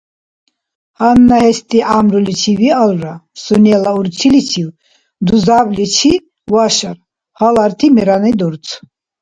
Гьанна гьести гӀямруличив виалра, сунела урчиличив дузабличи вашар, гьаларти мерани дурцу.